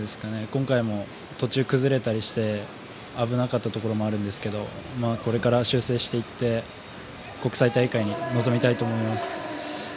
今回も途中崩れたりして危なかったところもあるんですがこれから修正していって国際大会に臨みたいと思います。